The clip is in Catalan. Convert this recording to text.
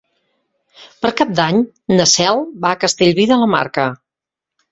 Per Cap d'Any na Cel va a Castellví de la Marca.